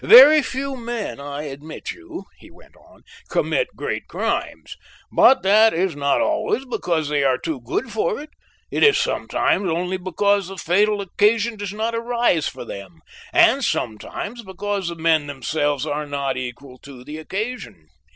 Very few men, I admit you," he went on, "commit great crimes, but that is not always because they are too good for it; it is sometimes only because the fatal occasion does not arise for them and sometimes because the men themselves are not equal to the occasion.